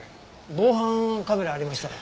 防犯カメラありましたら。